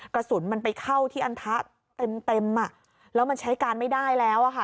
กระสุนมันไปเข้าที่อันทะเต็มเต็มอ่ะแล้วมันใช้การไม่ได้แล้วอ่ะค่ะ